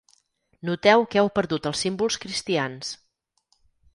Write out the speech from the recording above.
Noteu que heu perdut els símbols cristians.